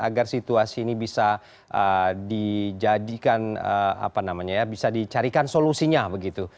agar situasi ini bisa dijadikan apa namanya ya bisa dicarikan solusinya begitu